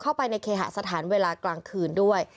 เข้าไปในเคหสถานเวลากลางคืนด้วย